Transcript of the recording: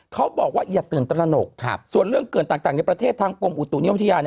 เขาบอกว่าอย่าตื่นตระหนกส่วนเรื่องเกิดต่างในประเทศทางกรมอุตุนิยมวิทยา